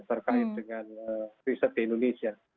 terkait dengan riset di indonesia